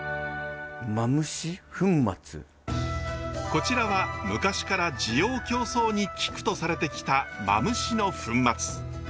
こちらは昔から滋養強壮に効くとされてきたマムシの粉末。